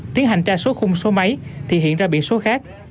tiến hành tra số khung số máy thì hiện ra biển số khác